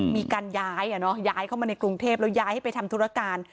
มีการย้ายย้ายเข้ามาในกรุงเทพแล้วย้ายให้ไปทำธุรการ